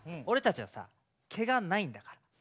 俺たちはさ毛がないんだから。